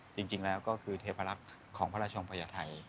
จริงแล้วก็คือเทพลักษณ์ของพระราชองพญาไทย